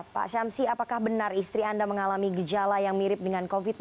pak syamsi apakah benar istri anda mengalami gejala yang mirip dengan covid sembilan belas